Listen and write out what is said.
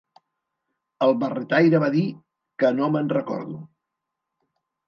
El barretaire va dir "Que no m'enrecordo".